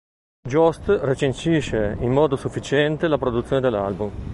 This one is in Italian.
Jost recensisce in modo sufficiente la produzione dell'album.